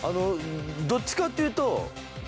どっちかっていうと。